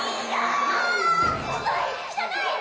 いや！